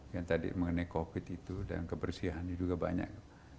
yang tadi mengenai covid itu dan kebersihannya juga banyak